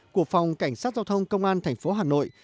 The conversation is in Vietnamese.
của phòng cảnh sát giao thông công an thành phố hà nội